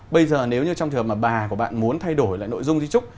bây giờ nếu như trong trường hợp mà bà của bạn muốn thay đổi lại nội dung di trúc